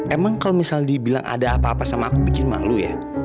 emang kalau misalnya dibilang ada apa apa sama aku bikin malu ya